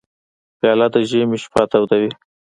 پیاله د ژمي شپه تودوي.